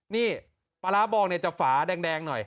นี่ปลาร้าบองเนี่ยจะฝาแดงหน่อย